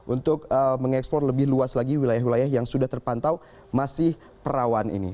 untuk mengeksplor lebih luas lagi wilayah wilayah yang sudah terpantau masih perawan ini